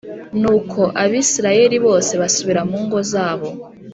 Nuko Abisirayeli bose basubira mu ngo zabo